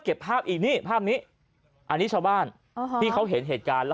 ภาพอีกนี่ภาพนี้อันนี้ชาวบ้านที่เขาเห็นเหตุการณ์แล้ว